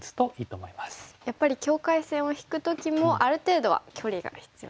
やっぱり境界線を引く時もある程度は距離が必要なんですね。